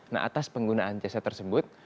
nah atas penggunaan jasa tersebut